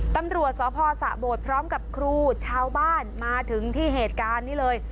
ตำรวจสพสะโบดพร้อมกับครูชาวบ้านมาถึงที่เหตุการณ์นี้เลย